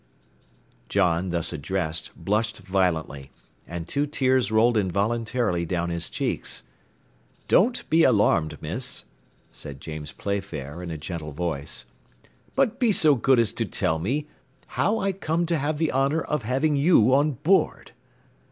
John, thus addressed, blushed violently, and two tears rolled involuntarily down his cheeks. "Don't be alarmed, miss," said James Playfair, in a gentle voice, "but be so good as to tell me how I come to have the honour of having you on board?"